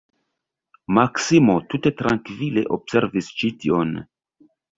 Maksimo tute trankvile observis ĉi tion.